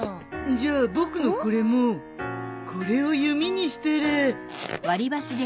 じゃあ僕のこれもこれを弓にしたら。